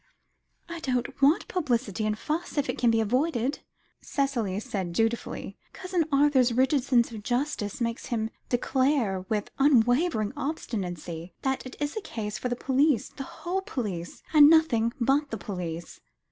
"I don't want publicity and fuss if it can be avoided," Cicely said doubtfully. "Cousin Arthur's rigid sense of justice, makes him declare with unwavering obstinacy that it is a case for the police, the whole police, and nothing but the police.